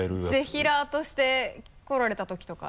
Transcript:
ぜひらーとして来られた時とか。